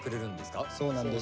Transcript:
そうなんです。